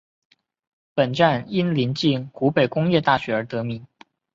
本站因临近湖北工业大学而得名。